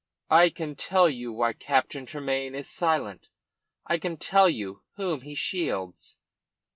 "I can tell you why Captain Tremayne is silent. I can tell you whom he shields."